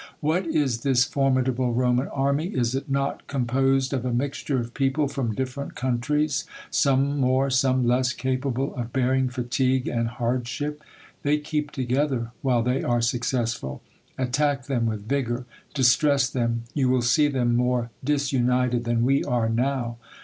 What is this formidable Roman army? Is it not composed of a mixture of people from ditferent coun tries j some more, some less capable of bearing fatigue and hardship? They keep together while they are successful. Attack them v/ith vigour : distress them : you will see them more disunited than we are now.